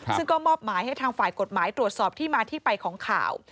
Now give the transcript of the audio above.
ซึ่งก็มอบหมายให้ทางฝ่ายกฎหมายตรวจสอบที่มาที่ไปของข่าว